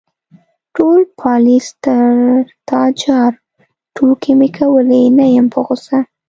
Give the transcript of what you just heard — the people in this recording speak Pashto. _ټول پالېز تر تا جار، ټوکې مې کولې، نه يم په غوسه.